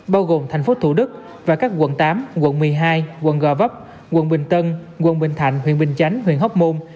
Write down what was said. bao gồm thành phố thủ đức và các quận tám quận một mươi hai quận gò vấp quận bình tân quận bình thạnh huyện bình chánh huyện hóc môn